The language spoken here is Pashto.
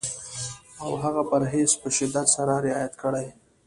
او هغه پرهېز په شدت سره رعایت کړي.